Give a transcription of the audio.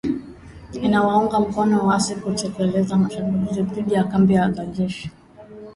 Inawaunga mkono waasi kutekeleza mashambulizi dhidi ya kambi za jeshi